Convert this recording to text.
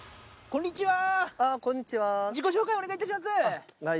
こんにちは。